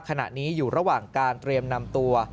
ขณะนี้อยู่ระหว่างการเตรียมนำตัว